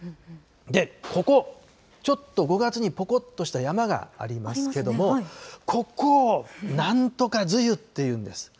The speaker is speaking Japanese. で、ここ、ちょっと５月にぽこっとした山がありますけども、ここをなんとか梅雨っていうんです。